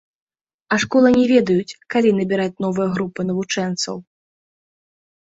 А школы не ведаюць, калі набіраць новыя групы навучэнцаў.